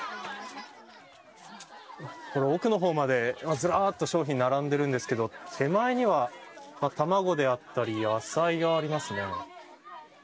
奥の方までずらっと商品が並んでいるんですけど手前には卵であったり野菜がありますね。